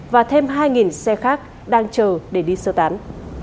và thêm hai xe khác đang chờ để đi sơ tán